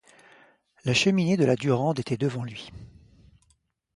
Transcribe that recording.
La cheminée de la Durande était devant lui.